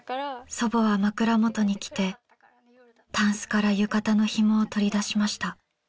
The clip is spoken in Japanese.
祖母は枕元に来てたんすから浴衣のひもを取り出しました。